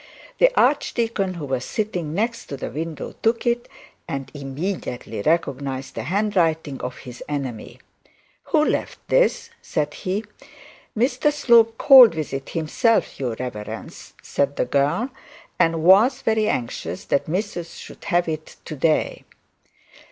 The archdeacon, who was sitting next to the window, took it, and immediately recognised the hand writing of his enemy. 'Who left this?' said he. 'Mr Slope called with it himself, your reverence,' said the girl; ' and was very anxious that missus should have it to day.'